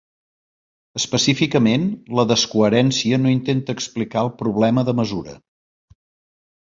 Específicament, la descohèrencia no intenta explicar el problema de mesura.